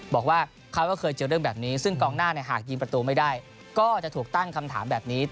บอกว่าเขาก็เคยเจอเรื่องแบบนี้ซึ่งกองหน้าหากยิงประตูไม่ได้ก็จะถูกตั้งคำถามแบบนี้